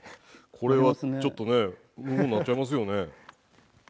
これはちょっとね無言なっちゃいますよね。